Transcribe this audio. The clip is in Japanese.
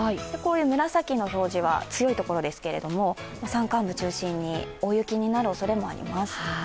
紫の表示は強いところですけれども、山間部中心に大雪になるおそれもあります。